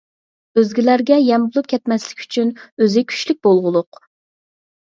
ئۆزگىلەرگە يەم بولۇپ كەتمەسلىك ئۈچۈن ئۆزى كۈچلۈك بولغۇلۇق.